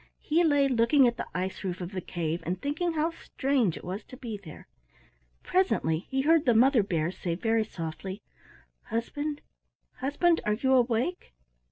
He lay looking at the ice roof of the cave and thinking how strange it was to be there. Presently he heard the Mother Bear say very softly, "Husband, husband, are you awake?"